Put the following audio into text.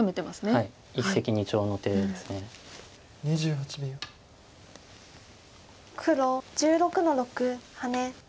黒１６の六ハネ。